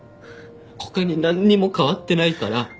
他に何にも変わってないから。